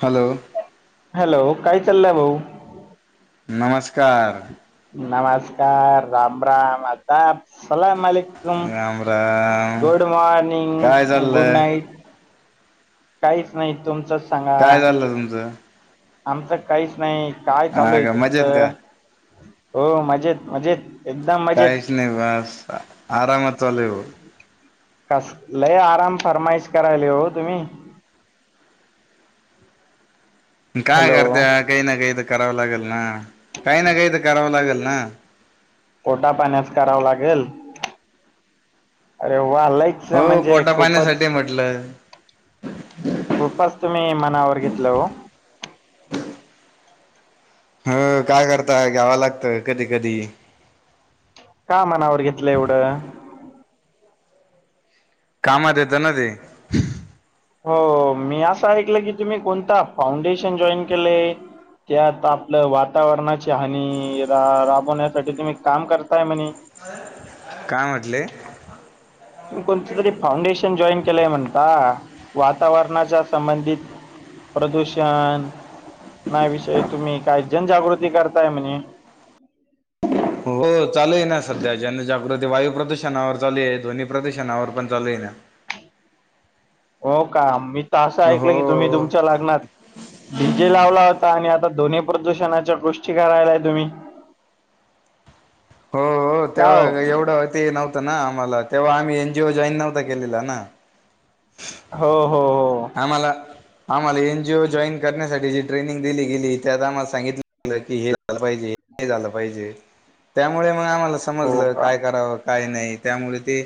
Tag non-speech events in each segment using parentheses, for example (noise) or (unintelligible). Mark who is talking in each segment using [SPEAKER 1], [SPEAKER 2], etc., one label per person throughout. [SPEAKER 1] Hello
[SPEAKER 2] hello काय चाललंय भाऊ?
[SPEAKER 1] नमस्कार.
[SPEAKER 2] नमस्कार, राम राम, आदाप, सलाल माली काम.
[SPEAKER 1] राम राम
[SPEAKER 2] गुड
[SPEAKER 1] काय
[SPEAKER 2] मॉरनिंग. गुड
[SPEAKER 1] चाललंय
[SPEAKER 2] नाईट. काहीच नाही. तुमचं
[SPEAKER 1] काय झालर तुमचं?
[SPEAKER 2] आमचं काहीच नाही. काय
[SPEAKER 1] हा
[SPEAKER 2] चालूय
[SPEAKER 1] का मजेत का
[SPEAKER 2] तुमचं. हो मजेत मजेत. एकदम मजेत
[SPEAKER 1] काहीच नाही बास. आरामात चालूय भो.
[SPEAKER 2] कस लय आराम फरमाईश करायला हो तुम्ही
[SPEAKER 1] काय
[SPEAKER 2] हॅलो
[SPEAKER 1] करते? काही ना काही तर करावं लागेल ना काही ना काही तर करावं लागेल ना.
[SPEAKER 2] पोटा पाण्याच कराव लागेल अरे वा लयच
[SPEAKER 1] हो पोटा पाण्यासाठी म्हटलंय.
[SPEAKER 2] खूपच तुम्ही मनावर घेतलं हो.
[SPEAKER 1] ह काय करताय घ्यावं लागतं कधी कधी
[SPEAKER 2] का मनावर घेतलं एवढं?
[SPEAKER 1] कामात येतं ना ते
[SPEAKER 2] हो मी असं ऐकलं की तुम्ही कोणता फाउंडेशन जॉईन केलंय? त्या आत आपलं वातावरणाची हानी रा राबवण्यासाठी तुम्ही काम करताय म्हणे.
[SPEAKER 1] काय म्हटले?
[SPEAKER 2] तु कोणत तरी फाउंडेशन जॉईन केलंय म्हणता वातावरणाच्या संबंधित प्रदूषण नाही विषय तुम्ही काय जनजागृती करताय म्हने
[SPEAKER 1] हो चालू आहे ना सध्या जनजागृती वायू प्रदूषणावर चालू आहे ध्वनी प्रदूषणावर पण चालू आहे ना.
[SPEAKER 2] हो का मी तर असं ऐकलं की तुम्ही
[SPEAKER 1] हो
[SPEAKER 2] तुमच्या लग्नात डीजे लावला होता आणि आता ध्वनी प्रदूषणाच्या गोष्टी करायलाय तुम्ही
[SPEAKER 1] हो हो तेव्हा एवढं ते नव्हतं ना आम्हाला तेव्हा आम्ही एन जीओ जॉईन नव्हता केलेला ना.
[SPEAKER 2] हो हो हो.
[SPEAKER 1] आम्हाला आम्हाला एनजीओ जॉईन करण्यासाठी जी ट्रेनिंग दिली गेली त्या आम्हाला सांगितलं की हे पाहिजे हे झालं पाहिजे त्यामुळे मग आम्हाला
[SPEAKER 2] हो
[SPEAKER 1] समजलं
[SPEAKER 2] का?
[SPEAKER 1] काय करावं. काही नाही त्यामुळे ते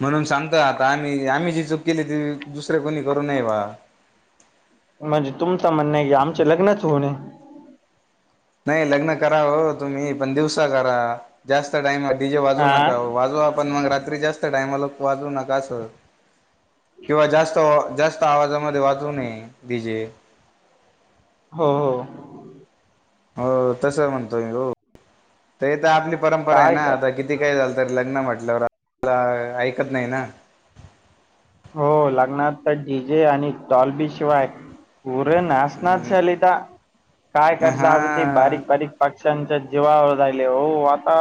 [SPEAKER 1] म्हणून सांगत आता आम्ही आम्ही जी चूक केली त! तुसरे कोणी करू ने बा.
[SPEAKER 2] म्हणजे तुमच म्हणणं आहे की आमचे लग्नच होऊ नये.
[SPEAKER 1] नाही लग्न करावं तुम्ही पण दिवसा करा जास्त टाईम डीजे वाजू
[SPEAKER 2] आ
[SPEAKER 1] नका वाजवा! पण मग रात्री जास्त टाईमला वाजवू नका अस. किंवा जास्त जास्त आवाजामध्ये वाचू नये डीजे.
[SPEAKER 2] हो हो.
[SPEAKER 1] हो तस म्हणतो म हो तर तर आपली परंपरा आहे
[SPEAKER 2] काय
[SPEAKER 1] ना
[SPEAKER 2] कर
[SPEAKER 1] आता किती? क काय झालं तररी लग्न म्हटलंवरला ऐकत नाही ना!
[SPEAKER 2] हो लग्ना तर डी जे आणि टॉलबी शिवाय? पुूरे नाशणार शलिता काय करता आ ती
[SPEAKER 1] हा
[SPEAKER 2] बारीक बारीक! पक्षांच्या जीवावर राहिले हो आता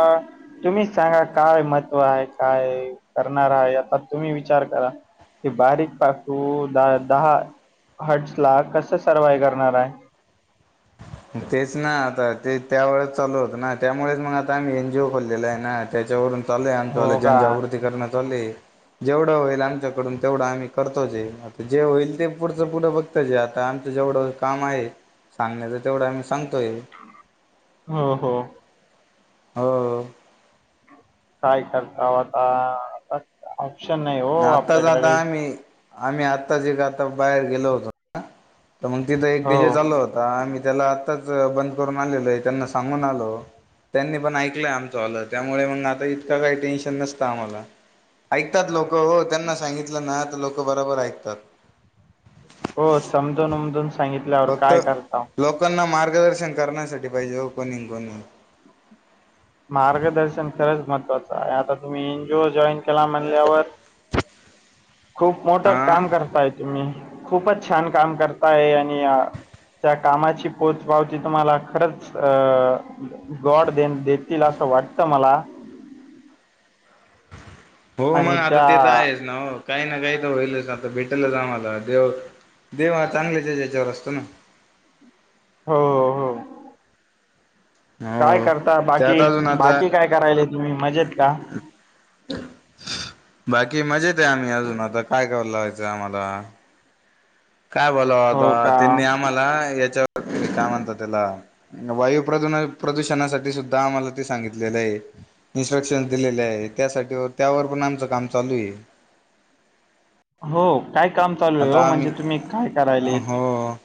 [SPEAKER 2] तुम्हीच सांगा काय महत्त्व आहे? काय करणार आहे? आता तुम्ही विचार करा. हे बारीक पासू द दहा हट्स ला कस सर्विव करणार आहे.
[SPEAKER 1] तेच ना आता ते त्या वेळेच चालू होतं ना त्यामुळेच मग आता आम्ही एन जीओ खोललेल आहे ना. त्याच्यावरून चालले आणि तुला
[SPEAKER 2] हो का
[SPEAKER 1] जनजागृती करण्यात चालली जेवढं होईल आमच्याकडून तेवढं आम्ही करतो जे आता जे होईल ते पुढचं पुढं बघतो जे आता जेवढं काम आहे सांगण्याचं तेवढं आम्ही सांगतोय.
[SPEAKER 2] हो हो.
[SPEAKER 1] हो.
[SPEAKER 2] काय करता आता आ ऑप्शन नाही हो
[SPEAKER 1] आत्ताच
[SPEAKER 2] आपल्याकडे काही
[SPEAKER 1] आता आम्ही आम्ही आत्ता जे का आता बाहेर गेलो होतो. तर मग तिथं एक डीजे
[SPEAKER 2] हो
[SPEAKER 1] चालला होता मी त्याला आत्ताच बंद करून आलेलो आहे त्यांना सांगून आलो त्यांनी पण ऐकलंय आमचं आलं त्यामुळे मग आता इतकं काही टेन्शन नसतं आम्हाला. ऐकतात लोकं हो त्यांना सांगितलं ना तर लोकं बरोबर ऐकतात.
[SPEAKER 2] हो समजून उमजून सांगितल्यावर
[SPEAKER 1] फक्त
[SPEAKER 2] काय करता.
[SPEAKER 1] लोकांना मार्गदर्शन करण्यासाठी पाहिजे हा कोणीन कोणीन.
[SPEAKER 2] मार्गदर्शन खरंच महत्वाचं आहे आता तुम्ही एन जी ओ जॉईन केला म्हणल्यावर खूप मोठ
[SPEAKER 1] हा
[SPEAKER 2] काम करता आहेत तुम्ही खूपच छान काम करताय आणि आ त्या कामाची पोच पावची तुम्हाला खरंच अ गॉड देईन दे तील असं वाटतं मला.
[SPEAKER 1] हो मग
[SPEAKER 2] आणि
[SPEAKER 1] आता
[SPEAKER 2] त्या
[SPEAKER 1] तेच आहेच ना. काही ना काही तर होईलच आता भेटलंच आम्हाला देव देव हा चांगलेच हेज्याच्यावर असतो ना.
[SPEAKER 2] हो हो. काय
[SPEAKER 1] हो
[SPEAKER 2] करता
[SPEAKER 1] त्यात
[SPEAKER 2] बाकी
[SPEAKER 1] अजून आता
[SPEAKER 2] बाकी काय करायले तुम्ही मजेत का?
[SPEAKER 1] बाकी मजेत आहे आम्ही अजून आता काय कर लावायचं आम्हाला. काय बोलाव आता
[SPEAKER 2] हो का
[SPEAKER 1] त्यांनी आम्हाला याच्यावर का म्हणता त्याला वायू प्रदून प्रदूषणासाठी सुद्धा आम्हाला ते सांगितलेलं आहे. इन्स्ट्रक्शन्स दिलेले आहे त्यासाठीवर त्यावर पण आमचं काम चालू आहे.
[SPEAKER 2] हो काय काम चालू आहे हो
[SPEAKER 1] आता आम्ही
[SPEAKER 2] म्हणजे तुम्ही काय करायलेत?
[SPEAKER 1] हो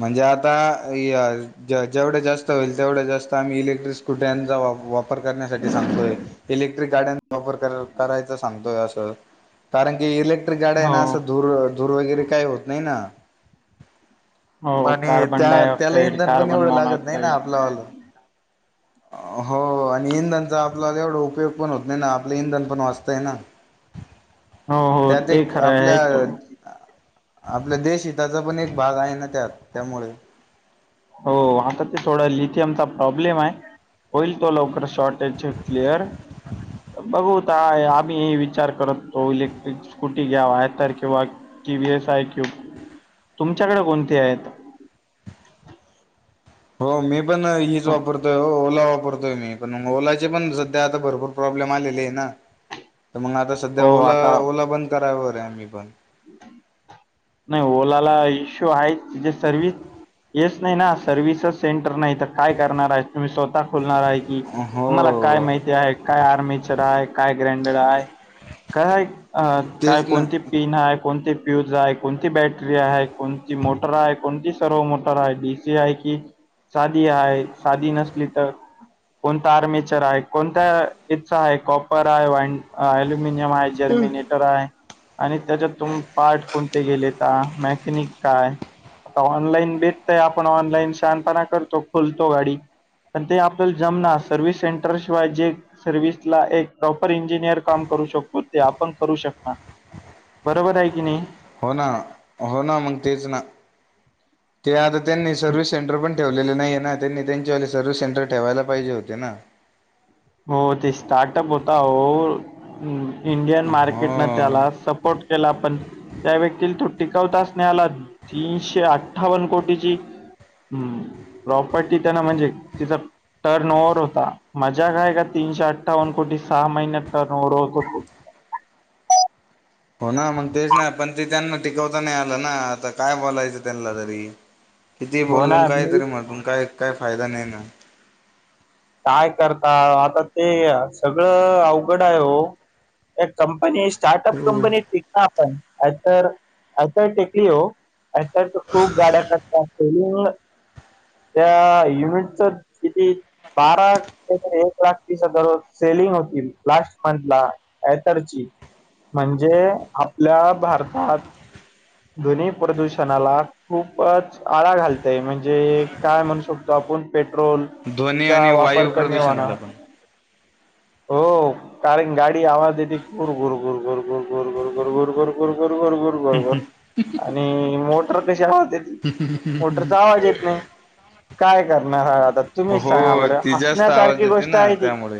[SPEAKER 1] म्हणजे आता य ज जेवढे जास्त होईल तेवढं जास्त आम्ही इलेक्ट्रिस कुट्यांचा वा वापर करण्यासाठी सांगतोय. इलेक्ट्रिक गाड्यांचा वापर कर करायचा सांगतोय असं कारण की इलेक् ट्रिक
[SPEAKER 2] हो,
[SPEAKER 1] गाड्याना अस धूर धूर वगैरे काही होत नाही ना
[SPEAKER 2] हो
[SPEAKER 1] आणि
[SPEAKER 2] कार्बन
[SPEAKER 1] त्या त्याला
[SPEAKER 2] डायऑक्साइड,
[SPEAKER 1] इंधन पण
[SPEAKER 2] कार्बन
[SPEAKER 1] एवढं लागत नाही ना
[SPEAKER 2] मोनॉक्साइड
[SPEAKER 1] आपल्या वालं. हो आणि इंधनचा आपला एवढा उपयोग पण होत नाही ना आपलं इंधन पण वाचतंय ना.
[SPEAKER 2] हो, हो
[SPEAKER 1] त्यात
[SPEAKER 2] ते
[SPEAKER 1] एक
[SPEAKER 2] खरं आहे
[SPEAKER 1] आपल्या
[SPEAKER 2] तो-
[SPEAKER 1] अ आपल्या देशहिताचा पण एक भाग आहे ना त्यात त्यामुळे.
[SPEAKER 2] हो आता ते थोडा लिथियम चा प्रॉब्लेम आहे. होईल तो लवकर शॉर्टेज क्लिअर. बघूता आम्ही ही विचार करत तो इलेक्ट्रिक स्कूटी घ्यावा आहे तर किंवा टी वही एस आय क्यूब तुमच्याकडे कोणते आहेत?
[SPEAKER 1] हो मी पण हीच वापरतोय हो ओला वापरतोय मी. पण ओलाचे पण सध्या आता भरपूर प्रॉब्लेम आलेले आहे ना तर मंग आता सध्या
[SPEAKER 2] हो
[SPEAKER 1] ओला
[SPEAKER 2] आता
[SPEAKER 1] ओला बंद करावर आहे आम्ही पण.
[SPEAKER 2] नाही ओलाला इश्यू आहे तिजे सर्विस येस नाही ना सर्विसेस सेंटर नाही तर काय करणार आहे तुम्ही स्वतः खोलणार आहे की
[SPEAKER 1] हो
[SPEAKER 2] तुम्हाला काय माहिती आहे काय आर्मीचा राहाय काय ग्रँडेडर आहे काय अ काय
[SPEAKER 1] तेच ना
[SPEAKER 2] कोणती पिन आहे कोणती फ्यूज आहे कोणती बॅटरी आहे कोणती मोटर आहे कोणती सर्व मोटर आहे डी सी आहे की सादी. आहे सादी नसली तर कोणता आर्मेचर आहे कोणत्या इच्चा आहे कॉपर आहे वाईंड अल्युमिनियम आहे जर्मिनी टर आहे आणि त्याच्यात तुम पार्ट कोणते गेले का मॅकॅनिक काय तो ऑनलाईन भेटतय आपण ऑनलाईन शानपणा करतो खोलतो गाडी पण ते आपल्याला जमना सर्विस सेंटर शिवाय जे सर्व्हिस ला एक प्रॉपर इंजिनिअर काम करू शकतो ते आपण करू शकणार. बरोबर आहे की नाही.
[SPEAKER 1] हो ना हो ना मग तेच ना ते आता त्यांनी सर्विस सेंटर पण- ेवलेले नाहीे ना त्यांनी त्यांच्या व सर्व्हिस सेंटर ठेवायला पाहिजे होते ना.
[SPEAKER 2] हो ते स्टार्टप होता हो. इंडियन मार्केटनं
[SPEAKER 1] हो
[SPEAKER 2] त्याला सपोर्ट केला पण त्या व्यक्तीला तो- टिकवता असण्या आला तीनशे अठ्ठावन्न कोटीची ह् प्रॉपर्टी त्याना म्हणजे तिचा टर्न ओव्हवर होता मा- जग का आहे का तीनशे अठ्ठवन कोटी सहा महि्या न कोटी.
[SPEAKER 1] हो ना मग तेच नाही पण ते त्यांना टिकवता नाही आलं ना आता काय बोलायचं त्यांना तरी. किती
[SPEAKER 2] हो
[SPEAKER 1] बोलल
[SPEAKER 2] ना मी
[SPEAKER 1] काहीतरी म्हट काय काय फायदा नाही ना.
[SPEAKER 2] काय करता आता ते सगळं अवघड आहे हो. एक कंपनी स्टार्टअप कंपनी तिक ना आपण. आतर आयतर टेकली हो आतर खूप गाड्या करतात. त्या युनिटच किती? बारा ते एक लाख ति दररोज सेलिंग होतील लास्ट मंथ ला. यातडची म्हणजे आपल्या भारतात. ध्वनी प्रदूषणाला खूपच आळा घालते. ते म्हणजे काय म्हणू शकतो आपण पेट्रोल
[SPEAKER 1] ध्वनी
[SPEAKER 2] चा
[SPEAKER 1] आणि
[SPEAKER 2] वापर
[SPEAKER 1] वायू
[SPEAKER 2] कमी
[SPEAKER 1] प्रदूषणाला
[SPEAKER 2] होणनार.
[SPEAKER 1] पण
[SPEAKER 2] हो कारण गाडी आवाज येते कुर घुरकुर घुरकुर. र गोर, गोर गोर, गोर गोर, गोर, गोर गोर, गोर गोर, गोर आणि मोटर कशी आ. मोटरचा आवाज येत नाही काय करणार हा आता. तुम्हीच
[SPEAKER 1] हो
[SPEAKER 2] सांगा बरं
[SPEAKER 1] ती जास्त आवाज
[SPEAKER 2] हसण्यासारखी
[SPEAKER 1] देते
[SPEAKER 2] गोष्ट
[SPEAKER 1] ना
[SPEAKER 2] आहे ती.
[SPEAKER 1] त्यामुळे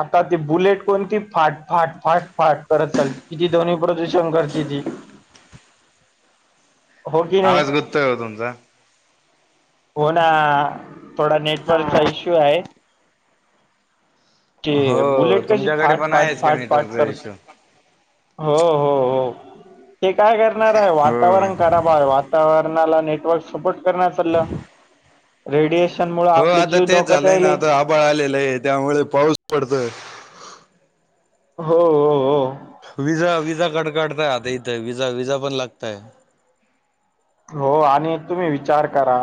[SPEAKER 2] आता ती बुलेट कोणती फाट फाट फाट फाट करत चालते. किती ध्वनी प्रदूषण करते ती. हो कि नाही.
[SPEAKER 1] आवाज गुततोय हो तुमचा
[SPEAKER 2] हो ना थोडा नेटवर्कचा इश्यू आहे. क
[SPEAKER 1] हो
[SPEAKER 2] बुलेट कशी
[SPEAKER 1] तुमच्याकडे
[SPEAKER 2] फाट
[SPEAKER 1] पण
[SPEAKER 2] फाट
[SPEAKER 1] आहेच का
[SPEAKER 2] फाट फाट
[SPEAKER 1] नेटवर्कचा
[SPEAKER 2] करत-
[SPEAKER 1] इश्यू
[SPEAKER 2] हो हो हो ते काय करणार आहे
[SPEAKER 1] हो
[SPEAKER 2] वातावरण खराब आहे वातावरण नेटवर्क सपोर्ट कर चालं. रेडिएशन मुळ आपले जीव धोक्यात याले.
[SPEAKER 1] पाळ आलेला आहे त्यामुळे पाऊस पडतोय.
[SPEAKER 2] हो. हो
[SPEAKER 1] विजा विजा कट काढताय आता इथं विजा विजा पण लागतय.
[SPEAKER 2] हो आणि तुम्ही विचार करा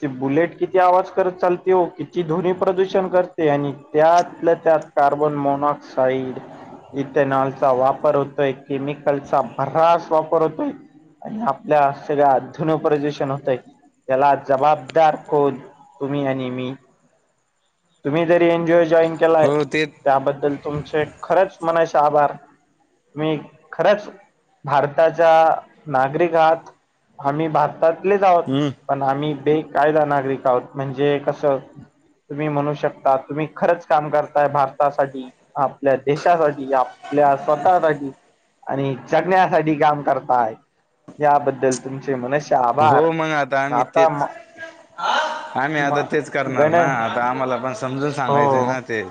[SPEAKER 2] ते बुलेट किती आवाज करत चालते हो किती ध्वनी प्रदूषण करते आणि त्यातलं त्यात कार्बन मोनॉक्साईड इथेनॉलचा वापर होतोय केमिकलचा भरास वापर होतोय. आणि आपल्या सगळ्या ध्वनी प्रदूशन होतय. त्याला जबाबदार कोण तुम्ही आणि मी? तुम्ही जरी एन जीओ जॉईन केलाय
[SPEAKER 1] हो ते
[SPEAKER 2] त्याबद्दल तुमचे खरेच म्हणायचे आभार मी खरंच भारताच्या नागरिक आहात आम्ही भारतातलेच आहोत
[SPEAKER 1] हम्म
[SPEAKER 2] पण आम्ही बेकायदा नागरिक आहोत म्हणजे कसं तुम्ही म्हणू शकता तुम्ही खरंच काम करताय भारतासाठी आपल्या देशासाठी आपल्या स्वतःसाठी आणि जगण्यासाठी काम करताय याबद्दल तुमचे मनष्य आभार
[SPEAKER 1] हो मग आम्ही
[SPEAKER 2] आता
[SPEAKER 1] तेच आम्ही
[SPEAKER 2] म
[SPEAKER 1] आता तेच करणार
[SPEAKER 2] गण
[SPEAKER 1] ना आता आम्हाला पण समजून सांगायचंय
[SPEAKER 2] हो
[SPEAKER 1] ना ते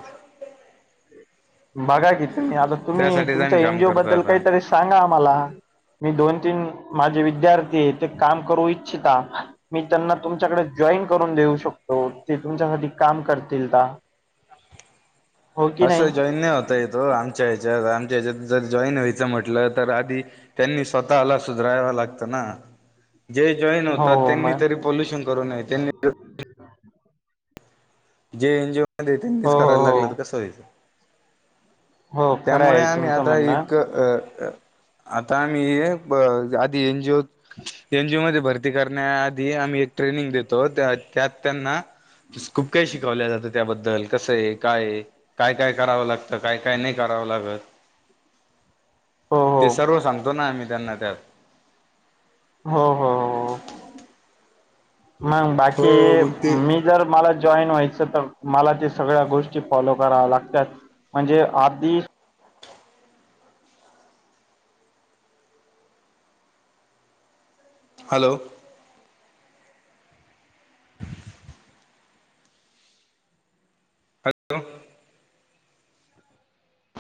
[SPEAKER 2] बघा की तुम्ही आता तुम्ही
[SPEAKER 1] त्यासाठीच
[SPEAKER 2] तुमच्या
[SPEAKER 1] आम्ही काम
[SPEAKER 2] एनजीओ
[SPEAKER 1] करतो
[SPEAKER 2] बद्दल
[SPEAKER 1] आता
[SPEAKER 2] काहीतरी सांगा आम्हाला मी दोन तीन माझे विद्यार्थी आहे ते काम करू इच्छिता मी त्यांना तुमच्याकडे जॉईन करून देऊ शकतो ते तुमच्यासाठी काम करतील का? (unintelligible)
[SPEAKER 1] असं जॉईन नाही होता ये ओ आमच्या ह्याच्यात आमच्या ह्याच्यात जर जॉईन व्हायचं म्हटलं तर आधी त्यांनी स्वतःला सुधराया लागतं ना जे जॉईन
[SPEAKER 2] हो
[SPEAKER 1] होतात
[SPEAKER 2] हो
[SPEAKER 1] त्यांनी
[SPEAKER 2] मॅम
[SPEAKER 1] तरी पोलुशन करू नये त्यांनी जे एनजीओ वाले येतील तेच
[SPEAKER 2] हो
[SPEAKER 1] कराया
[SPEAKER 2] हो
[SPEAKER 1] लागलं तर कसं होईल
[SPEAKER 2] हो हो खरं
[SPEAKER 1] त्यामुळे
[SPEAKER 2] आहे
[SPEAKER 1] आम्ही
[SPEAKER 2] तुमचं
[SPEAKER 1] आता
[SPEAKER 2] म्हणणं
[SPEAKER 1] एक अ आता मी ये आधी एनजीओ एनजी मध्ये भरती करण्याआधी आम्ही एक ट्रेनिंग देतो त्यात त्यांना स्कोप काय शिकवल्या जातात त्याबद्दल कसं आहे काय ये काय काय करावं लागतं काय काय नाही करावं लागतं.
[SPEAKER 2] (unintelligible) हो
[SPEAKER 1] ते
[SPEAKER 2] हो
[SPEAKER 1] सर्व सांगतो ना आम्ही त्यांना त्यात
[SPEAKER 2] हो हो मग बाकी
[SPEAKER 1] हो मग ते
[SPEAKER 2] मी जर मला जॉईन व्हायचं तर मला ते सगळ्या गोष्टी फॉलो कराव्या लागत्यात. म्हणजे आधी
[SPEAKER 1] हॅलो हॅलो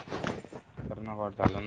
[SPEAKER 1] करना वाटलंय